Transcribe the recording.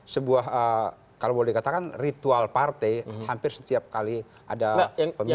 sebuah kalau boleh dikatakan ritual partai hampir setiap kali ada pemilihan